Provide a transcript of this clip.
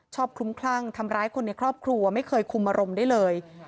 คลุ้มคลั่งทำร้ายคนในครอบครัวไม่เคยคุมอารมณ์ได้เลย